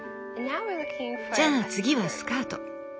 じゃあ次はスカート。